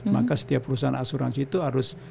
maka setiap perusahaan asuransi itu harus